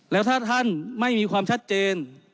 แล้วถ้าท่านไม่มีความชัดเจน